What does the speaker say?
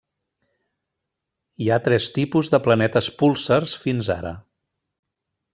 Hi ha tres tipus de planetes púlsars fins ara.